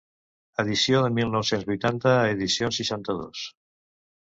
Edició de mil nou-cents vuitanta a Edicions seixanta-dos.